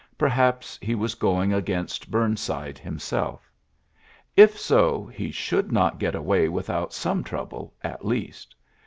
Perhap was going against Bumside himself so, he should not get away without : little trouble at least.